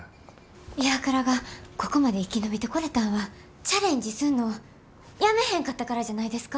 ＩＷＡＫＵＲＡがここまで生き延びてこれたんはチャレンジすんのをやめへんかったからじゃないですか？